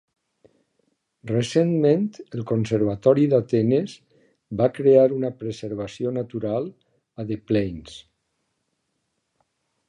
Recentment, el Conservatori d'Atenes va crear una preservació natural a The Plains.